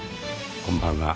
こんばんは。